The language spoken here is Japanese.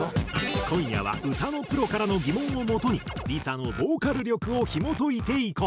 今夜は歌のプロからの疑問をもとにＬｉＳＡのボーカル力をひも解いていこう。